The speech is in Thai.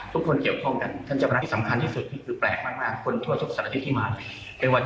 ทุกคนจะมีความสัมพันธ์กับพญานาค